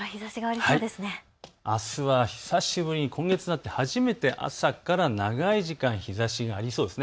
あすは久しぶりに今月になって初めて朝から長い時間、日ざしがありそうです。